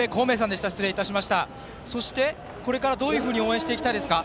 これからどういうふうに応援していきたいですか。